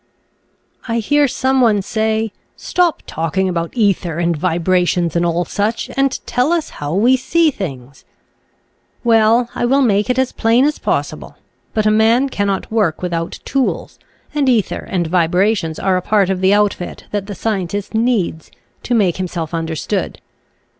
I hear some one say, " Stop talking about ether and vibrations and all such, and tell us how we see things." Well, I will make it as / I . Original from UNIVERSITY OF WISCONSIN Xiflbt an& Btber. 177 plain as possible, but a man cannot work with out tools, and ether and vibrations are a part of the outfit that the scientist needs, to make himself understood.